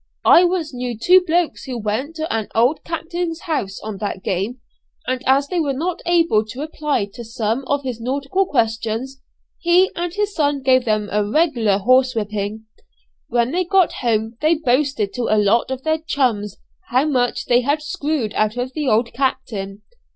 I once knew two blokes who went to an old captain's house on that game, and as they were not able to reply to some of his nautical questions, he and his son gave them a regular horsewhipping. When they got home they boasted to a lot of their 'chums' how much they had screwed out of the old captain.